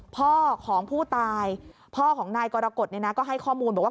พ่อของผู้ตายพ่อของนายกรกฎก็ให้ข้อมูลบอกว่า